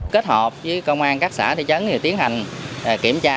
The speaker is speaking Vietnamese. kết hợp với công an các xã thị trấn tiến hành kiểm tra